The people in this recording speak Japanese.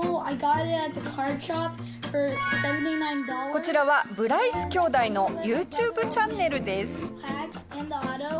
こちらはブライス兄弟のＹｏｕＴｕｂｅチャンネルです。